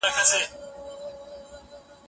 ایا ته د خپلي موضوع سره مینه لرې؟